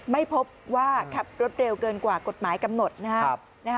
ไม่พบว่าขับรถเร็วเกินกว่ากฎหมายกำหนดนะครับ